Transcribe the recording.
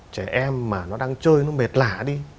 trẻ em mà nó đang chơi nó mệt lạ đi